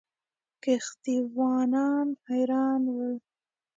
کښتۍ وانان حیران ول.